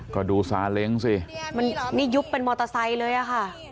ก็ดูซาเล้งสิมันนี่ยุบเป็นมอเตอร์ไซค์เลยอะค่ะ